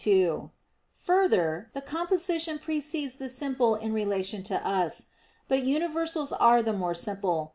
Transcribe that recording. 2: Further, the composition precedes the simple in relation to us. But universals are the more simple.